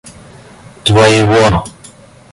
твоего